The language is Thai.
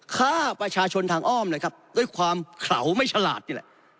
ฆ่าประชาชนทางอ้อมนะครับด้วยความเขาไม่ฉลาดนี่แหละ